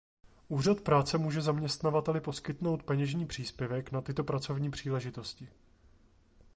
Úřad práce může zaměstnavateli poskytnout peněžní příspěvek na tyto pracovní příležitosti.